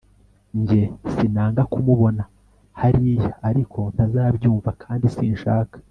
njye. sinanga kumubona hariya ariko ntazabyumva kandi sinshaka